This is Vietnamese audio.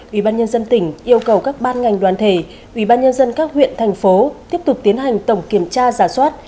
ủy ban nhân dân tỉnh yêu cầu các ban ngành đoàn thể ủy ban nhân dân các huyện thành phố tiếp tục tiến hành tổng kiểm tra giả soát